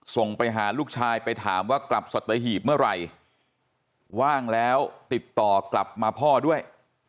ส่งไปหาลูกชายไปถามว่ากลับสัตหีบเมื่อไหร่ว่างแล้วติดต่อกลับมาพ่อด้วย